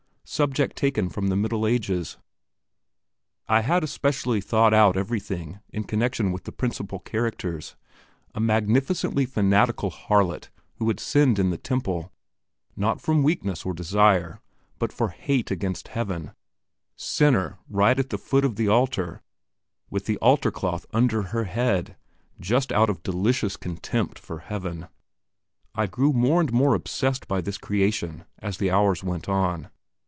Subject taken from the Middle Ages. I had especially thought out everything in connection with the principal characters: a magnificently fanatical harlot who had sinned in the temple, not from weakness or desire, but for hate against heaven; sinner right at the foot of the altar, with the altar cloth under her head, just out of delicious contempt for heaven. I grew more and more obsessed by this creation as the hours went on.